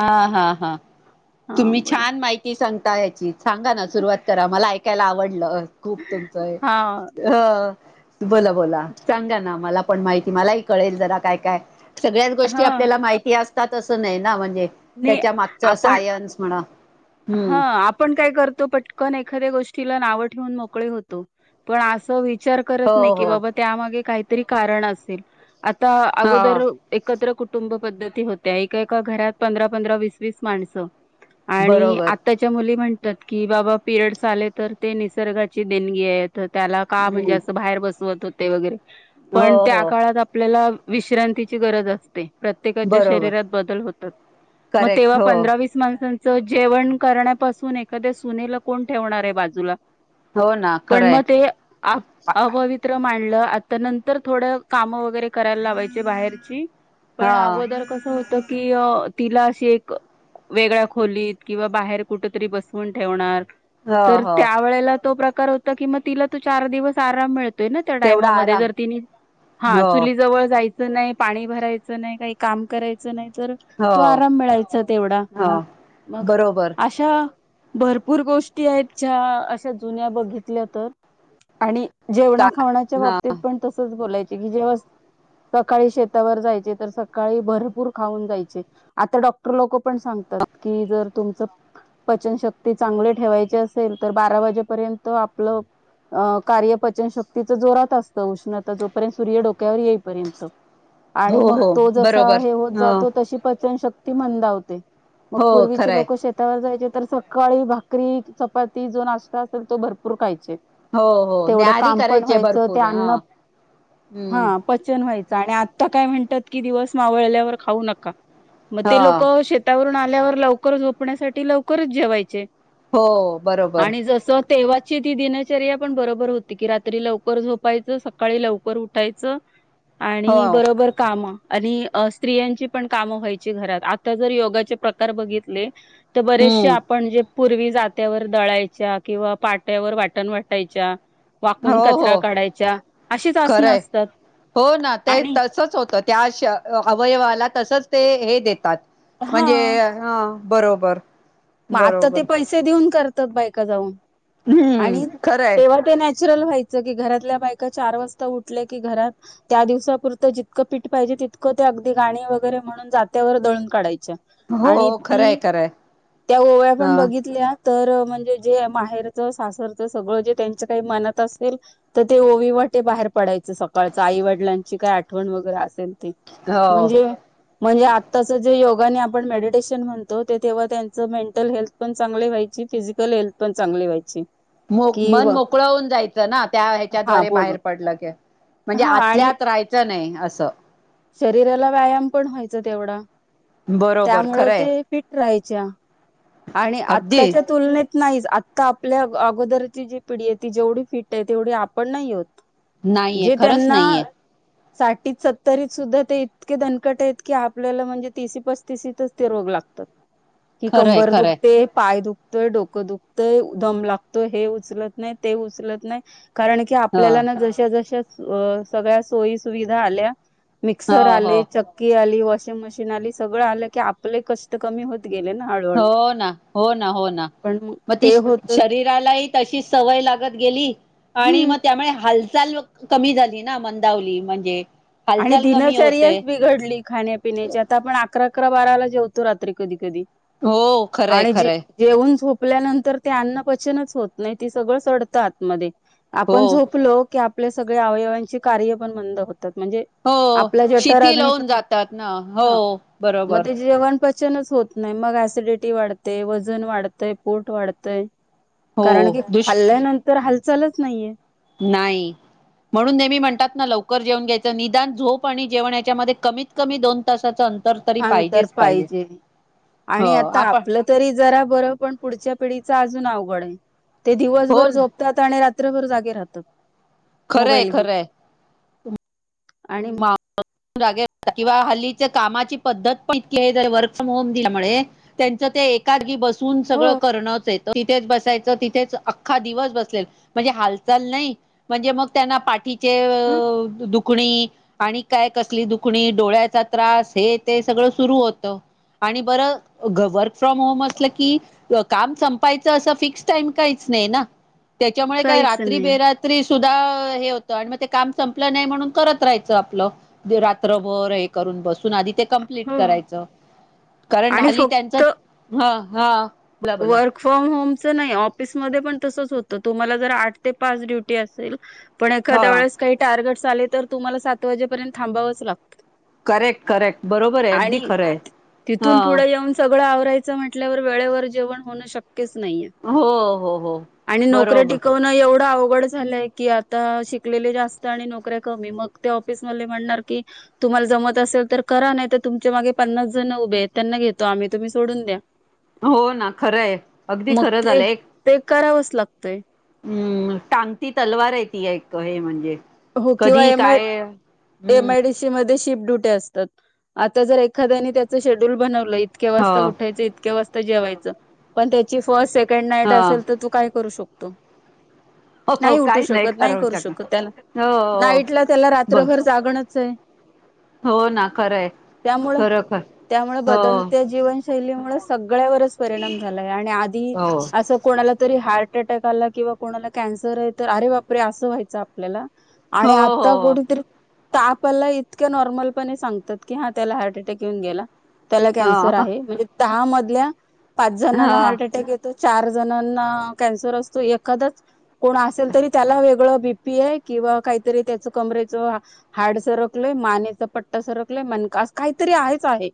हा हा हा हा तुम्ही बोला छान माहिती सांगता याची. सांगा ना? सुरुवात करा मला ऐकायला आवडलं खूप तुमचंय हा अ बोला बोला सांगा ना? मला पण माहिती मलाही कळेल जरा काय काय सगळ्याच गोष्टी हा आपल्याला माहिती असतात असं नाही ना, म्हणजे नाही त्याच्या मागचं आपण सायन्स म्हणा. हा हम्म आपण काय करतो पटकन एखाद्या गोष्टी तीला नाव ठे मोक होतो, पण अस विचार करत नाही हो की, हो बाबा त्या मागे काहीतरी कारण असेल, आता हा अगोदर एकत्र कुुंब पद्धती होत्या एका एका घरात पंधरा पंधरा वीस वीस माणसं आणि बरोबर आताच्या मुली म्हण - - तात की बाबा पिरयड्स आले तर ते निसर्गाची देणगीये तर त्याला का म्हणजे हम्म असं बाहेर बसवत होते वगैरे हो पण त्या हो काळात आपल्याला - - विश्रांतीची गरज असते. प्रत्येकाच्या बरोबर शरीरात बदल होत मं करेक्ट तेव्हा हो पंधरा वीस माणसं सांच जेवण करण्यापासून एखाद्या सुनेला कोण ठेवणार हे बाजूला हो ना - पण खरंय मग ते आ अपवित्र माण ल आता नंतर थोडं कामं वगैरे करायला लावायचे बाहेरची. पण हा अगोदर कस होत तिला अशी एक वेगळ्या खोलीत किंवा बाहेर कुठ तरी बसवून ठेवणार. हो तर हो त्या वेळेला तो प्रकार होता कि मग तिला तो चार दिवस आराम मिळ- - तेना त्या तेवढा टायमामध्ये आराम जर तिनी हा हो चुली जवळ - - नाही. पाणी भरायचं नाही. काही काम करायचं नाही. तर तो हो आराम मिळायचा तेवढा. हो मग, बरोबर अशा भरपूर गोष्टी आहेत. ज्या अशा जुन्या बघितल्या तर आणि चा जेवणा खावण्याच्या हा बाबतीत पण तसच बोलायच. की जेव्हा सकाळी शेतावर जायचे. तर सकाळी भरपूर खाऊन जायचे. आता डॉक्टर लोक पण सांगतात की जर तुमच पचनशक्ती चांगली ठेवाय - - ची असेल तर बारा वाजेपर्यंत आपलं अं कार्यपचनशक्तीच जोरात असतं उष्णता जोपर्यंत सूर्य डोक्यावर येईपर्यंत. हो आणि मग हो तो जसा बरोबर हे होत हो जातो तशी - - मा म पूर् हो खरंय लोक शेतावरय तर सकाळी भाकरी चपाती जो नाश्ता असेल तो भरपूर खायचे. हो हो तेवढं न्याहारी काम पण करायचे व्हायचं ते भरपूर हा अन्न हम्म हा पचन व्हायचं. आणि आता काय म्हणतात की दिवस मावळल्यावर खाऊ नका मग हा ते लोक शेतावरून आ आल्यावर लवकर झोपण्यासाठी लवकरच जेवायचे. हो बरोबर. आणि जसं तेव्हाची ती दिनचर्या पण बरोबर होती की रात्री लवकर झोपायचं सकाळी लवकर उठायचं. हो आणि बरोबर काम आणि स्त्रियांची पण काम व्हायची घरात आ जर योगाचे प्रकार बघितले तर बरेचसे हम्म आपण पूर्वी जात्यावर दळायच्या किंवा पाट्यावर वाटण वाटायच्या वाकून हो कचरा हो काढायच्या अशीच असनं खरंय असतात. हो ना ते आणि तसच होतं त्या आशा अवयव आला तसच ते हे देतात हा म्हणजे ह बरोबर. मग आता ते बरोबर पैसे देऊन करतात बायका जाऊन हम्म आणि खरंय तेव्हा तर नॅच व्हायच की घरातल्या बायका चार वाजता उठल्या की घरात त्या दिवसापुरत जितकं पीठ पाहिजे तितकं ते अगदी गाणी वगैरे म्हणून जात्यावर दळून काढायच्या हो आणि ती खरय खरय. त्या ओव्या पण बघितल्या. तर म्हणजे जे माहेरच सासरच सगळं जे त्यांच्या काही मनात असेल तर ते ओवीवर ते बाहेर पडायचं सकाळच आईवडिलांची काय आठवण वगैरे असेल. हो म्हणजे म्हणजे आताच जे योगाने आपण मेडिटेशन म्हणतो ते तेव्हा त्या ते मेंटल हेल्थ पण चांगली व्हायची फिजिकल हेल्थ पण चांगली व्हायची. मो कि मन मोकळ होऊन जायचं ना त्या हा ह्याच्याद्वारे बाहेर बोलून पडलं की, म्हणजे हा आणि आतल्यात राहायचं नाही असं. शरीराला व्यायाम पण व्हायचा तेवढा. बरोबर त्यामुळे खरंय ते फिट राहायच्या आणि अगदी आताच्या तुलनेत, नाहीच आत्ता आपल्या अगोदरची जी पिढी आहे ती जेवढी फिट आहे तेवढी आपण नाही आहोत. नाहीये जे खरंच त्यांना, नाहीये साठीत सत्तरीत सुद्धा ते इतके दणकट आहेत की आपल्याला म्हणजे तीशी पस्तीशीतच ते रोग लागत- त. खरंय खरंय. पाय दुखतोय डोकं दुखतंय दम लागतोय हे उचलत नाय ते उचलत नाय कारण की ह आपल्यालाना जशा जशा अ सगळ्या सोयी सुविधा आल्या मिक्सर हो हो आले चक्की आली वॉशिंग मशीन आली सगळं आलं की आपले कष्ट कमी होत गेले ना हळूहळू. हो ना हो ना हो ना पण मग ती ते होत शरीरालाही तशी सवय लागत गेली आणि हम्म मग त्यामुळे हालचाल कमी झाली ना मंदावली म्हणजे. आणि हालचाल कमी होते दिनचर्याच बिघडली खाण्यापिण्याची आता आपण अकरा अकरा बाराला जेवतो रात्री कधी कधी हो खरंय आणि जे खरंय जेऊन झोप झोपल्यानंतर ते अन्न पचनच होत नाही ते सगळं सडत आतमध्ये हो आपण झोपलो की आप आपल्या सगळया अवयवांची कार्य पण मंद होतात. म्हणजे हो आपलं जठर शिथिल होऊन अग्निपण मन जातात ना हो ह म बरोबर ते जेवण पच पचनच होत नाही मग ऍसिडिटी वाढते वजन वाढतय पोट वाढतय. हो कारण की दुष् खाल्ल्यानंतर हालचालच नाहीये. नाही. म्हणून नेहमी म्हणतात ना लवकर जेवून घ्यायचं निदान झोप आणि जेवण याच्यामध्ये कमीत कमी दोन तासाचं अंत अंतर पाहिजे हो आणि आता आपण आपलं तरी जरा बरं पण पुढच्या पिढी च अजून अवघड आहे ते हो दिवसभर ना, झोपतात आणि रात्रभर जागे राहतात. खरंय मोबाईल घेऊन खरंय. आणि म जागे असतात, किंवा हल्लीच्या कामाची पद्धत पण इतकी हे आहे जर वर्क फ्रॉम होम दिल्यामुळे त्यांच्यात ते एका जागी बसून हो सगळं करणचं आहे. तिथेच बसायचं तिथेच अख्खा दिवस बसले म्हणजे, हालचाल नाही म्हणजे मग त्यांना पाठी चे हं, दुखणी आणि काय कसली, दुखणी डोळ्याचा त्रास हे ते सगळं सुरू होत. आणि बरं घर वर्क फ्रॉम होम असलं की, काम संपायचं असं फिक्स टाइम काहीच नाही ना. त्याच्यामुळे काय काहीच रात्री नाही बेरात्री सुद्धा हे होतं, आणि मग ते काम संपलं नाही म्हणून करत राहायचं आपलं. रात्रभर हे करून बसून आधी ते कंप्लीट हो करायच, कारण आणि हल्ली त्यांच फक्त ह हा. बोला बोला वर्क फ्रॉम होमच नाही, ऑफिसमध्ये पण तसचं होत. त तुम्हाला जर आठ ते पाच ड्युटी असेल, पण एखाद्या हा वेळेस काही टार्गेट आले, तर तुम्हाला सात वाजेपर्यंत थांबावंच लागतं. करेक्ट करेक्ट बरोबर आहे अगदी आणि खरं आहे हा तिथून पुढे येऊन सगळं आवरायचं चं म्हटल्या वेळेवर जेवण होण शक्य क्यच नाहीये, हो हो हो आणि नोकरी बरोबर टिकवणं एवढं अव घड झालंय की, आता शिकलेले जास्त आणि नोकऱ्या कमी मग ते ऑफिस मधले म्हणणार की तु तुम्हाला जमत असेल तर करा नाही, तर तुमच्या मागे पन्नास जण उभे आहेत, त्यांना घेतो आम्ही तुम्ही सोडून द्या. हो ना खरं आहे अगदी मग खरं ते झालं तेे करावंच लागतयं. हम टांगती तलवार आहे, ती एक हे म्हणजे. हो, किंवा कधी एमआय काय हम्म एमआयडीसी मध्ये शिप ड्युटी असतात, आता जर एखाद्यानी त्याचं शेड्युल बनवलं इतक्या ह वाजता उठायचं इतक्या वाजता जेवायच, पण त्याची फर्स्ट सेकंड नाईट हा असेल, तर तू काय करू शकतो? हो हो नाही उठू काहीच शकत नाही, खरवू करू शकत शकणार त्याला हो हो नाईट ला त्याला ब रात्रभर जागणचं आहे. हो ना खरंय त्यामुळं खरं खर त्यामुळं हो बदलत्या जीवनशैली मुळचं सगळ्या वरच परिणाम झालाय, आणि आधी हो असं कोणाला तरी हार्ट हार्ट अटॅकाला किंवा कोणाला कॅन्सर आहे, तर अरे बापरे! असं व्हायचं आपल्याला. आणि हो आता हो कुठे तरी तर आपल्याला इतक्या नॉर्मलपणे सांगतात की, हा त्याला हार्ट अटॅक येऊन गेला. त्याला कॅन्सर हा आहे, म्हणजे दहा मधल्या पाच जणांना हा हार्ट अटॅक येतो. चार जणांना कॅन्सर असतो, एखादाच कोण असेल तरी त्याला वेगळ बीपी आहे किंवा काहीतरी त्याच कमरेच हाड सरकलयं मानेचा पट्टा सरकलय मणकाचं काही तरी री आहेच आहे.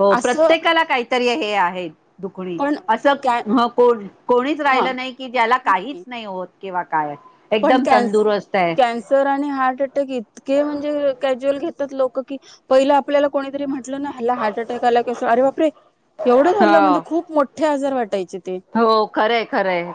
हो, असं प्रत्येकाला काहीतरी हे आहे दुखणी पण असं कॅ मग कोण कोणीच हा राहिलं नाही की, ज्याला काहीच नाही होत किंवा काय पण एकदम कँन- तंदुरुस्त आहे कॅन्सर आणि हार्ट अटॅक इतके म्हणजे क्युज्युअल घेत तात लोक की पहिलं आपल्याला कोणी तरी म्हण टंला ह्याला हार्ट अटॅक आला की, असं अरे बापरे! एवढं झालं, हो म्हणजे खूप मोठे आजार वाटायचे. ते हो, खरंय खरंय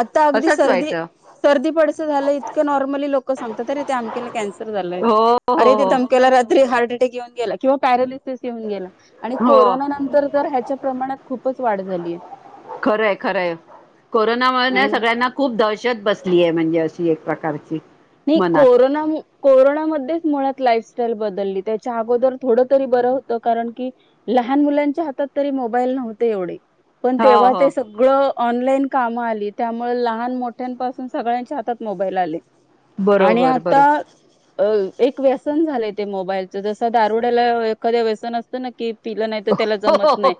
आता अगदी असचं सर्दी व्हायचं. सर्दी पडसं झालंय, इतकं नॉर्मली लोकं सांगतात अरे ते अमक्याला कॅन्सर झालयं. हो हो अरे! ते हो तमक्याला रात्री हार्ट हार्ट अटॅक येऊन गेला, किंवा पँरालिसेस येवून गेला आणि हो कोरोना नंतर तर ह्याच्या प्रमाणात खूपचं वाढ झाली आहे. खरयं खरयं, कोरोना मुळे ना आणि सगळ्यांना खूप दहशत दहशत बसली आहे, म्हणजे अशी एक प्रकारची. नाही मनात कोरोना -कोरोना मध्येच मुळात लाईफ बदलली, त्याच्या अगोदर थोडं तरी बरं होतं, कारण की लहान मुलांच्या हातात तरी मोबाईल नव्हते, एवढे पण हो तेव्हा हो ते सगळं ऑनलाईन काम आली त्यामुळे लहान मोठ्यांपासून सगळ्यांच्या हातात मोबाईल आले आणि बरोबर आता बरोबर अ एक व्यसन झालंय ते मोबाईलचं जसं दारुड्याला एखाद्या व्यसन असतं ना की पिलं नाही तर त्याला हो जमत हो नाही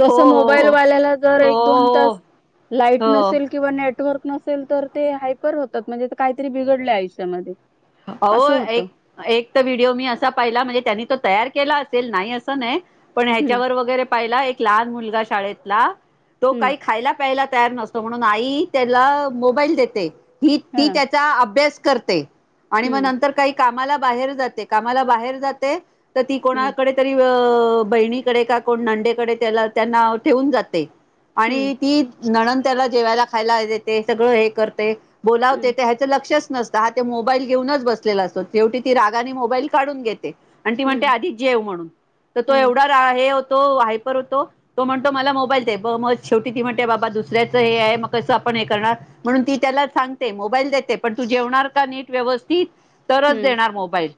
तस मोबाईल हो हो वाल्याला जर हो एक दोन हो तास लाईट हो हो नसेल किंवा नेटवर्क नसेल तर ते हायपर होतात म्हणजे काहीतरी बिघडले आयुष्यामध्ये अहो असं होतं एक एक तर व्हिडिओ मी असा पाहिला म्हणजे त्यांनी तो तयार केला असेल नाही असं नाही पण हम्म ह्याच्यावर वगैरे पाहिला एक लहान मुलगा शाळेतला तो हम्म काही खायला प्यायला तयार नसतो म्हणून आई.. त्याला मोबाईल देते ही हा ती त्याचा अभ्यास करते आणि मग हम्म नंतर काही कामाला बाहेर जाते कामाला बाहेर जाते त हम्म कोणाकडे त अहं. बहिणीकडे का कोण नंडेकडे त्याला त्यांना ठेवून जाते आणि हम्म ती नणंद त्याला जेवायला खायला देते सगळं हे करते बोलावते ते ह्याचं लक्षचं नसता हा ते मोबाईल घेऊनच बसलेला असतो शेवटी ती रागाने मोबाईल काढून घेते आणि ती म्हणते हम्म आधी जेव म्हणून तर तो हम्म एवढा रा हे तो हायपर होतो तो म्हणतो मला मोबाईल दे मग शेवटी ती म्हणते बाबा दुसऱ्याचं हे आहे म कसं हे करणार म्हणून ती त्याला सांगते मोबाईल देते पण तू जेवणार का नीट व्यवस्थितं तरच हम्म देणार मोबाईल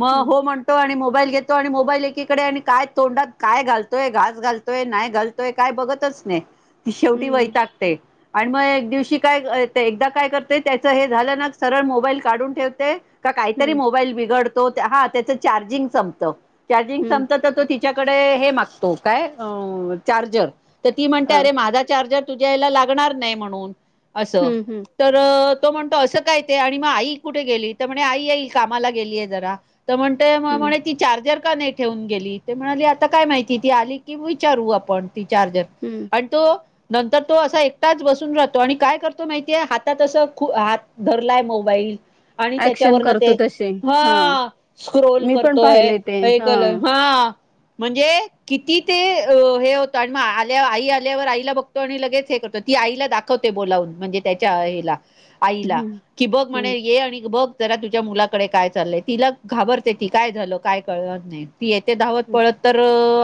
मग हम्म हो म्हणतो मोबाईल घेतो आणि मोबाईल एकीकडे आणि काय तोंडात काय घालतोय घास घालतोय नाही घालतोय काय बघतंच ती शेवटी हम्म वैतागते आणि मग एक दिवशी काय एकदा काय करते त्याचं हे झालं ना सरळ मोबाईल काढून ठेवते का हम्म काहीतरी हम्म मोबाईल बिघडतो हा त्याचं चार्जिंग संपत चार्जिंग हम्म संपत तर तो च्याकडे हे मागतो काय अं चार्जर तर ती म्हणते हा अरे माझा चार्जर तुझ्या याला लागणार नाही म्हणून अस हम्म हम्म तर तो म्हणतो असं काय ते आणि मग आई कुठे गेली तर म्हणे कामाला गेलीये जरा तं म्हणते मं हम्म म्हने चार्जर का नाही ठेवून गेली ते म्हणाली आता काय माहिती ती आली की विचारू आपण ती चार्जर हम्म आणि तो नंतर तो असा एकटाच बसून राहतो आणि काय करतो माहिती आहे हातात असं खू हात धरलाय मोबाईल आणि ऍक्शन त्याच्यावरन ते करतो तसे हा स्क्रोल मी पण करतोय पाहिले ते ऐकलंय हा आ म्हणजे किती ते हे होतं आणि आल्या आई आल्यावर आईला बघतो आणि लगेच हे करतो आईला दाखवते बोलावून. म्हणजे त्याच्या हिला आईला हम्म की बघ म्हणे हम्म ये आणि बघ जरा तुझ्या मुलाकडे काय चालंय तिला घाबरते ती काय झालं काय कळलंच नाही ती येते धावत पळत तर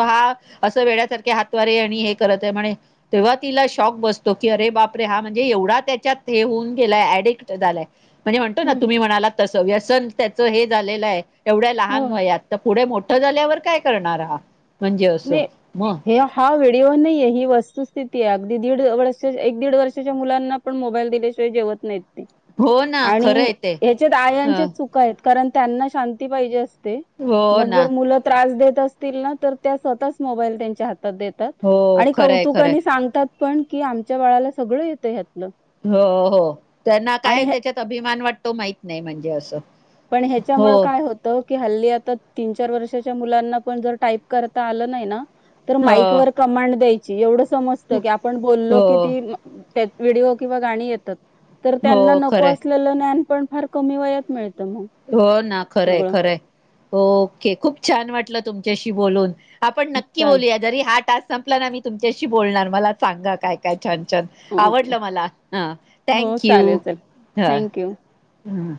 हा असं वेड्यासारखे हातवारे आणि हे करत म्हणे तेव्हा तिला शॉक बसतो की अरे बापरे हा म्हणजे एवढा त्याच्यात हे होऊन गेलाय अडिक्ट झालाय म्हणजे म्हणतो ना हम्म तुम्ही म्हणाला तसं व्यसन त्याचं हे झालेलं आहे एवढ्या हो लहान वयात तर पुढे मोठ ठं झाल्यावर काय करणारा हा म्हणजे असं नाही मग हे हा व्हिडिओ नाहीय ही वस्तुस्थिती आहे अगदी दीड वर्ष एक दीड वर्षाच्या मुलांना पण मोबाईल दिल्याशिवाय जेवत नाहीत हो ना आणि खरंय ते ह्याच्यात आयांच्याच हं. चुका आहेत कारण त्यांना शांती पाहिजे असते हो मग ना जर मुलं त्रास देत असतील ना तर त्या स्वतःच मोबाईल त्यांच्या हातात देतात हो आणि खरंय खरंय कौतुकाने सांगतात पण की आमच्या बाळाला सगळं येतंय ह्यात हो हो त्यांना काय आणि त्याच्यात अभिमान वाटतो माहित नाही म्हणजे असं पण ह्याच्यामुळे हो काय होतं की हल्ली आता तीन चार वर्षाच्या मुलांना पण जर टाईप करता आलं नाही ना तर माईक हो वर कमांड द्यायची एवढं समजतं की आपण बोललो की हो ती व्हिडिओ किंवा गाणी येतात तर त्यांना हो नको खरंय असलेलं ज्ञान पण फार कमी वयात मिळत हो ना खरंय खरंय ओके खूप छान वाटलं तुमच्याशी बोलून आपण नक्की चालेल बोलूया. जरी हा टास्क संपला ना, मी तुमच्याशी बोलणार मला सांगा काय काय छान छान, ओके आवडलं मला ह हो थँक यू चालेल चालेल ह. थँक्यू हम्म.